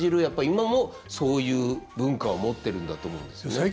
やっぱり今もそういう文化を持ってるんだと思うんですよね。